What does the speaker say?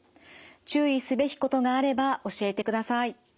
注意すべきことがあれば教えてください。